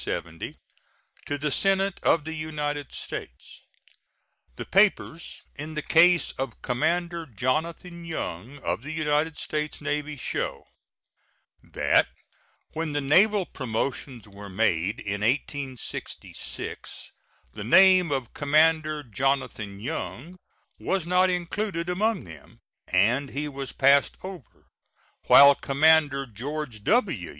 To the Senate of the United States: The papers in the case of Commander Jonathan Young, of the United States Navy, show That when the naval promotions were made in 1866 the name of Commander Jonathan Young was not included among them, and he was passed over, while Commander George W.